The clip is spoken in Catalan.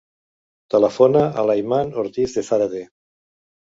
Telefona a l'Ayman Ortiz De Zarate.